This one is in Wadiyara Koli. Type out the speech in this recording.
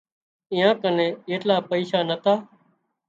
ايئان ڪنين ايٽلا پئيشا نتا